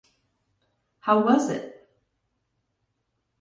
How was it?